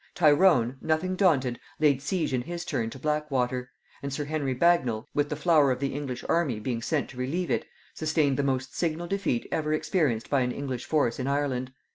Tyrone, nothing daunted, laid siege in his turn to Blackwater; and sir Henry Bagnal, with the flower of the English army, being sent to relieve it, sustained the most signal defeat ever experienced by an English force in Ireland.